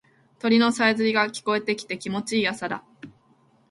鳥のさえずりが聞こえてきて気持ちいい朝だ。